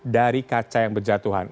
dari kaca yang berjatuhan